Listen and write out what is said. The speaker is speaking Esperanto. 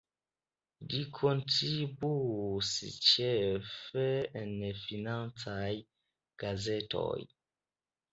Li kontribuis ĉefe en financaj gazetoj.